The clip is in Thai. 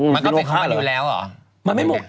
มันก็เป็นค่าอยู่แล้วเหรอ